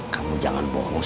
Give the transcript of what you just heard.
kamu jangan bohong sama bapak